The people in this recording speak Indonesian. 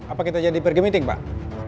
apa kita jadi pergi meeting pak